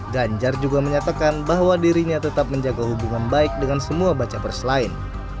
ganjar juga menyatakan bahwa dirinya tetap menjaga hubungan baik dengan semua baca pres lain